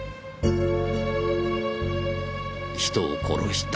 人を殺した。